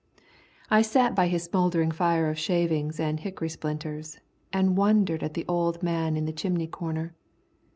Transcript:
I sat by his smouldering fire of shavings and hickory splinters, and wondered at the old man in the chimney corner.